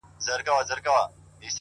د پلټني سندرماره شـاپـيـرۍ يــارانــو ـ